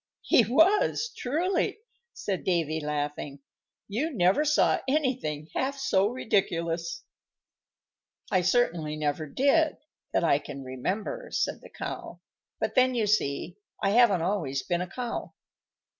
"He was, truly," said Davy, laughing; "you never saw anything half so ridiculous." "I certainly never did that I can remember," said the Cow; "but then, you see, I haven't always been a cow."